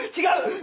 違う！